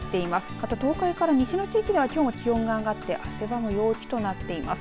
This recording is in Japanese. また、東海から西の地域ではきょうも気温が上がって汗ばむ陽気となっています。